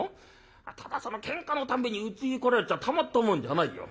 ただそのけんかのたんびにうちに来られちゃたまったもんじゃないよ。